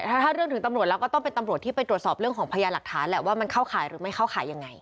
ถ้าเรื่องถึงตำรวจแล้วก็ต้องเป็นตำรวจที่ไปตรวจสอบเรื่องของพยานหลักฐานแหละว่ามันเข้าขายหรือไม่เข้าขายยังไง